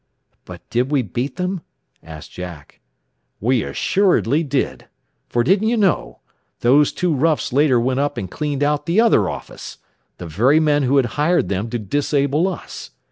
"But did we beat them?" asked Jack. "We assuredly did. For didn't you know? Those two roughs later went up and cleaned out the other office the very men who had hired them to disable us!